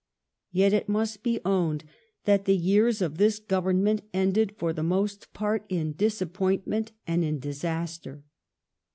Yet it must be owned that the years of this Government ended for the most part in disappointment and in dis aster.